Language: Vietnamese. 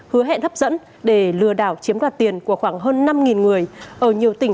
hứa hẹn hấp dẫn để lừa đảo chiếm đoạt tiền của khoảng hơn năm người ở nhiều tỉnh